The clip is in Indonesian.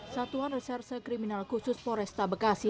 satuan reserse kriminal khusus poresta bekasi